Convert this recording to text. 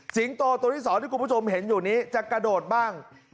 โตตัวที่๒ที่คุณผู้ชมเห็นอยู่นี้จะกระโดดบ้าง